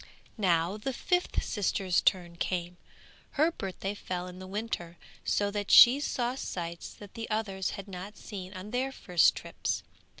Now the fifth sister's turn came. Her birthday fell in the winter, so that she saw sights that the others had not seen on their first trips.